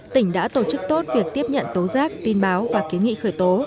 tỉnh đã tổ chức tốt việc tiếp nhận tố giác tin báo và kiến nghị khởi tố